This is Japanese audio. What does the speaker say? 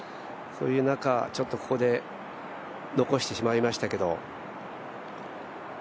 こういう中ここで残してしまいましたけど。